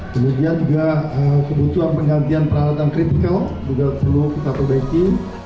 kemudian juga kebutuhan penggantian peralatan kritikal juga perlu kita perbaiki